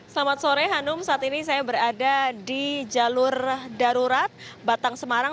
selamat sore hanum saat ini saya berada di jalur darurat batang semarang